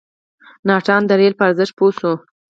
ناتان د رېل په ارزښت پوه شو.